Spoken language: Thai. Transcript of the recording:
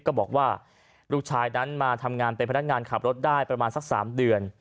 ก็บอกว่าลูกชายนั้นมาทำงานเป็นพนักงานขับรถได้ประมาณสัก๓เดือน